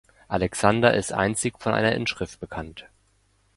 Alexander ist einzig von einer Inschrift bekannt.